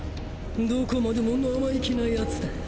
どこまでも生意気なヤツだ。